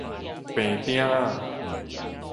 平鼎仔